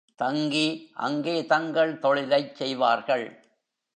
தங்கி அங்கே தங்கள் தொழிலைச் செய்வார்கள்.